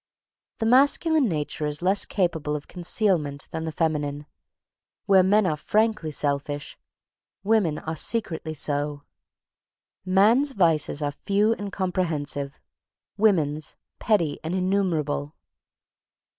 The masculine nature is less capable of concealment than the feminine. Where men are frankly selfish, women are secretly so. Man's vices are few and comprehensive; woman's petty and innumerable.